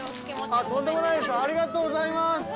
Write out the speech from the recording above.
ありがとうございます！